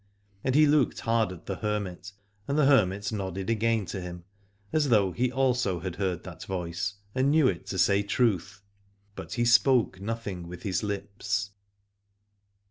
And he looked hard at the hermit, and the hermit nodded again to him, as though he also had heard that voice, and knew it to say truth : but he spoke nothing with his Hps.